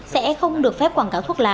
sẽ không được phép quảng cáo thuốc lá